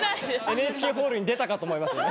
ＮＨＫホールに出たかと思いますよね